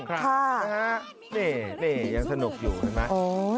ครับนะครับนี่ยังสนุกอยู่เห็นไหมอืม